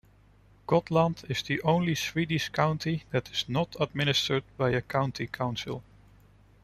Gotland is the only Swedish county that is not administered by a county council.